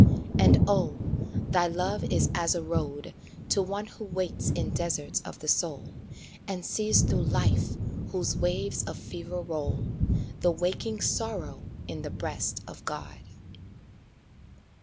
66 SONG And oh, thy Love is as a road To one who waits in deserts of the soul, And sees through Life, whose waves of fever roll, The waking Sorrow in the breast of God.